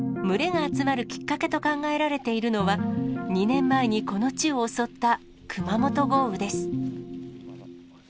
群れが集まるきっかけと考えられているのは、２年前に、この地を襲った熊本豪雨です。